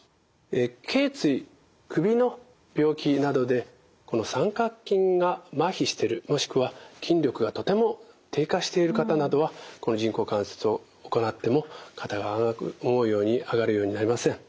けい椎首の病気などでこの三角筋がまひしているもしくは筋力がとても低下している方などはこの人工関節を行っても肩が思うように上がるようになりません。